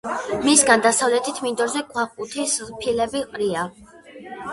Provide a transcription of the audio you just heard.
მისგან დასავლეთით, მინდორზე ქვაყუთის ფილები ყრია.